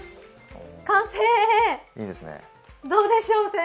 どうでしょう？